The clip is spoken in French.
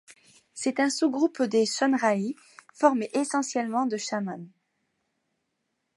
C'est un sous-groupe des Sonrhaï, formé essentiellement de chamans.